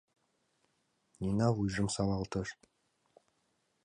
Нина вуйжым савалтыш.